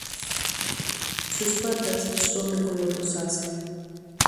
Sus patas son de un color rosáceo.